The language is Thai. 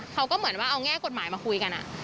เขาก็เหมือนว่าเอาแง่กฎหมายมาคุยกัน